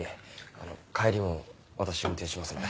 あの帰りも私運転しますので。